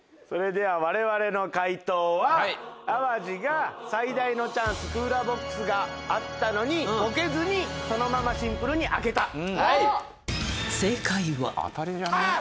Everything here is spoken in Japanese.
それではわれわれの解答は淡路が最大のチャンスクーラーボックスがあったのにボケずにそのままシンプルに開けた。